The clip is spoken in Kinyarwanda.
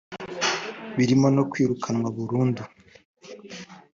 birimo no kwirukanwa burundu